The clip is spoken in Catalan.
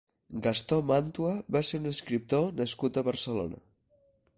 Gastó Màntua va ser un escriptor nascut a Barcelona.